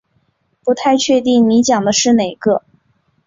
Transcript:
不太确定你讲的是哪个